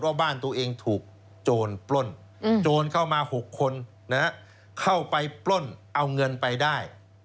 ว่าบ้านตัวเองถูกโจรปล้นโจรเข้ามา๖คนเข้าไปปล้นเอาเงินไปได้